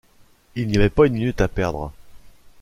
Il n'y avait pas une minute à perdre